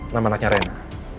nama anaknya rena